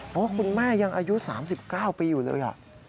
โอ้โฮคุณแม่ยังอายุ๓๙ปีอยู่เลย